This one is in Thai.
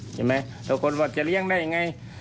ใช่ไหมทุกคนว่าจะเลี้ยงได้ยังไง